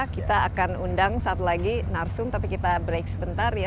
kita akan undang satu lagi narsum tapi kita break sebentar ya